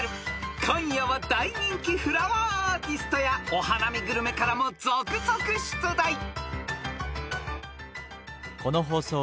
［今夜は大人気フラワーアーティストやお花見グルメからも続々出題］